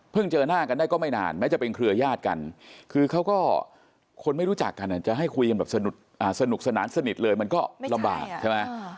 เจอหน้ากันได้ก็ไม่นานแม้จะเป็นเครือญาติกันคือเขาก็คนไม่รู้จักกันจะให้คุยกันแบบสนุกสนานสนิทเลยมันก็ลำบากใช่ไหม